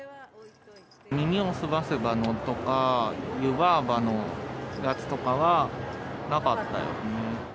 耳をすませばのとか、湯婆婆のやつとかは、なかったよね。